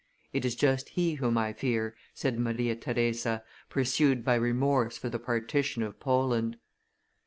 "It is just He whom I fear," said Maria Theresa, pursued by remorse for the partition of Poland.